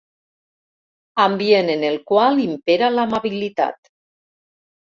Ambient en el qual impera l'amabilitat.